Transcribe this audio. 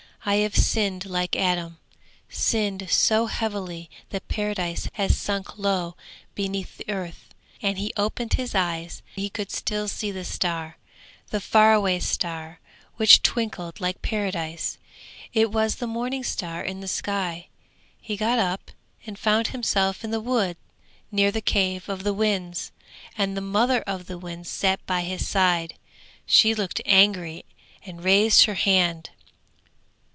'I have sinned like Adam, sinned so heavily that Paradise has sunk low beneath the earth!' And he opened his eyes; he could still see the star, the far away star, which twinkled like Paradise; it was the morning star in the sky. He got up and found himself in the wood near the cave of the winds, and the mother of the winds sat by his side. She looked angry and raised her hand.